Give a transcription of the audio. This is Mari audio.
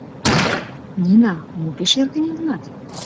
— Нина, мо пеш эр кынелынат?